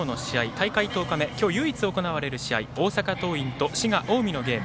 大会１０日目今日唯一行われる試合大阪桐蔭と滋賀・近江のゲーム。